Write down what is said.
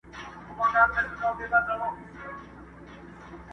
دا جهان خوړلی ډېرو په فریب او په نیرنګ دی